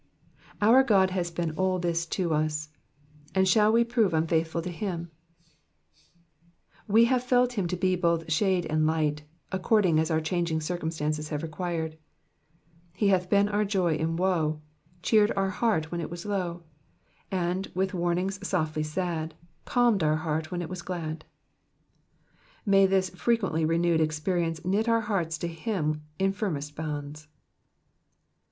Our God has been all this to us, and shall we prove unfaithful to him ? We have felt him to be both shade and light, according as our changing circumstances have required. ,«• He hath been car joy In woe, ClieerM our heart when it wue low, And, with warnintirs softly nad, CdltnM our heart when it was glad." May this frequently renewed experience knit our hearts to him in firmest bonds.